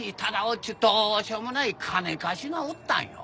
っちゅうどうしようもない金貸しがおったんよ。